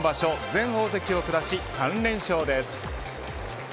全大関を下し３連勝です。